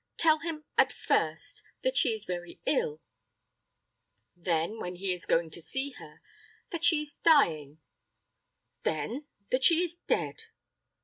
Tell him, at first, that she is very ill; then, when he is going to see her, that she is dying; then that she is dead.